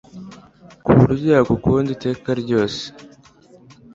kuburyo yagukunda iteka ryose